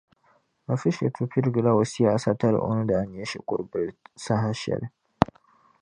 Afishetu piligila o siyaasa tali o ni daa na nya shikuru bila saha shɛli.